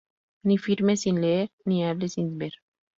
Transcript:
Ni firmes sin leer, ni hables sin ver